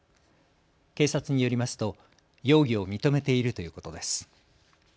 警察によりますと容疑を認めているということです。